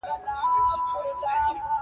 د حمد، مناجات او نعت توپیر په کرښو کې ولیکئ.